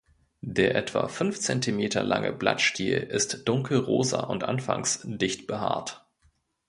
Der etwa fünf Zentimeter lange Blattstiel ist dunkelrosa und anfangs dicht behaart.